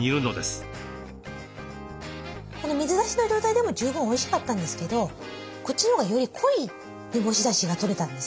この水出しの状態でも十分おいしかったんですけどこっちのほうがより濃い煮干しだしがとれたんですよね。